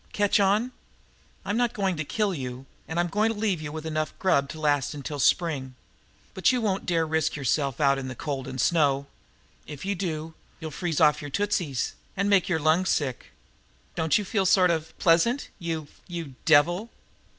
Catch on? I'm not goin' to kill you, and I'm going to leave you enough grub to last until spring, but you won't dare risk yourself out in the cold and snow. If you do, you'll freeze off your tootsies, and make your lungs sick. Don't you feel sort of pleasant you you devil!"